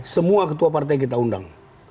semua ketua partai kita undang